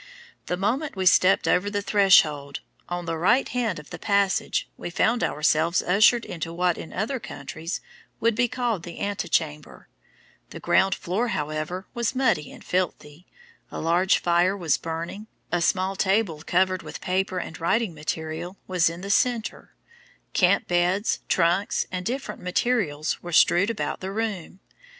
The moment we stepped over the threshold, on the right hand of the passage we found ourselves ushered into what in other countries would be called the antechamber; the ground floor, however, was muddy and filthy, a large fire was burning, a small table covered with paper and writing materials, was in the centre, camp beds, trunks, and different materials, were strewed about the room.